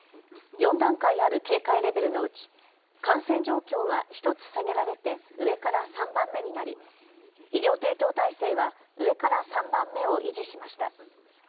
４段階ある警戒レベルのうち感染状況は１つ下げられて上から３番目になり、医療提供体制は上から３番目を維持しました。